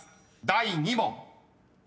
第２問］